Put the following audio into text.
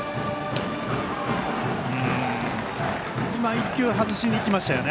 １球、外しにいきましたよね。